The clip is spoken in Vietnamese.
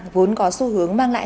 vốn có xu hướng mang lại